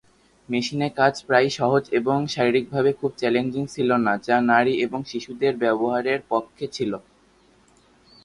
মেশিনে কাজ প্রায়ই সহজ এবং শারীরিকভাবে খুব চ্যালেঞ্জিং ছিল না, যা নারী এবং শিশুদের 'ব্যবহার' এর পক্ষে ছিল।